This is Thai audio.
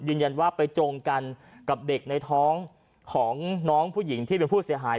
ยืนยันว่าไปตรงกันกับเด็กในท้องของน้องผู้หญิงที่เป็นผู้เสียหาย